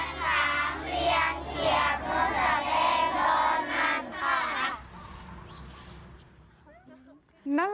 โรงเรียนของผู้ชื่อโรงเรียนขามเรียงเขียบโน้นสะแพงโน่นนั่นค่ะ